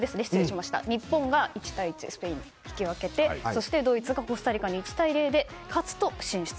日本が１対１でスペインに引き分けてそしてドイツにコスタリカが１対０で勝つと進出。